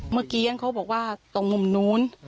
เมื่อกี้เขาบอกว่าตรงมุมนู้น